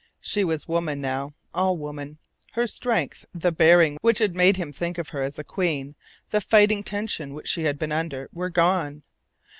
She was woman now all woman. Her strength, the bearing which had made him think of her as a queen, the fighting tension which she had been under, were gone.